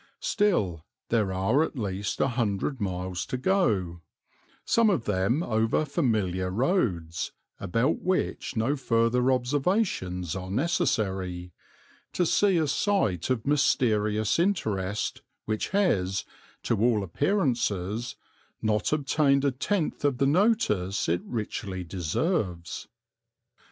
Still there are at least a hundred miles to go, some of them over familiar roads about which no further observations are necessary, to see a sight of mysterious interest which has, to all appearances, not obtained a tenth of the notice it richly deserves.